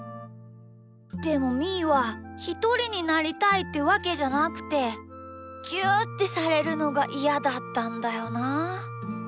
でもみーはひとりになりたいってわけじゃなくてぎゅうってされるのがイヤだったんだよなあ。